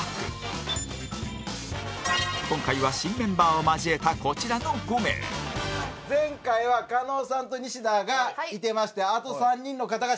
今回は新メンバーを交えたこちらの５名前回は加納さんとニシダがいてましてあと３人の方が新メンバーという事で。